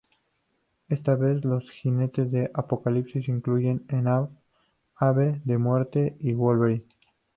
Esta vez, los jinetes de Apocalipsis incluyen a Ahab, Ave de Muerte y Wolverine.